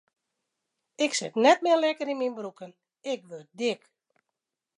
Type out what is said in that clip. Ik sit net mear lekker yn myn broeken, ik wurd dik.